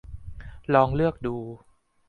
ลองเลือกดู